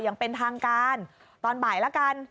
อย่างเป็นทางการตอนบ่ายแล้วกัน